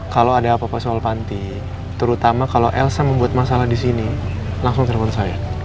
kalau ada apa apa soal panti terutama kalau elsa membuat masalah di sini langsung telepon saya